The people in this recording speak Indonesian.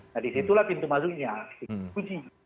nah disitulah pintu mazunya pintu puji